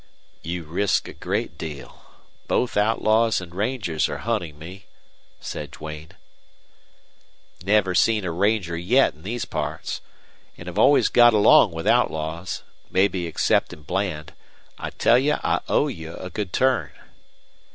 "You risk a great deal. Both outlaws and rangers are hunting me," said Duane. "Never seen a ranger yet in these parts. An' have always got along with outlaws, mebbe exceptin' Bland. I tell you I owe you a good turn."